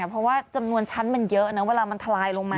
เพราะว่าจำนวนชั้นมันเยอะนะเวลามันทลายลงมา